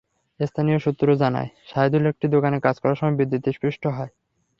স্থানীয় সূত্র জানায়, শাহেদুল একটি দোকানে কাজ করার সময় বিদ্যুৎস্পৃষ্ট হয়।